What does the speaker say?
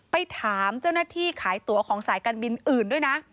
ไปถามเจ้าหน้าที่ขายตัวของสายการบินอื่นด้วยนะ